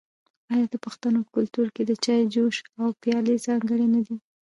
آیا د پښتنو په کلتور کې د چای جوش او پیالې ځانګړي نه دي؟